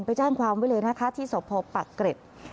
ไปแจ้งความวิเลนาคาที่สพปเกร็ด